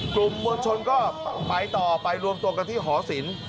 กลุ่มมวลชนก็ไปต่อไปรวมตัวกันที่หอศิลป์